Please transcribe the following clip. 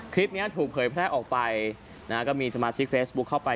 คลิปนี้ถูกเผยแพร่ออกไปนะฮะก็มีสมาชิกเฟซบุ๊คเข้าไป